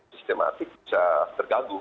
sistematik bisa terganggu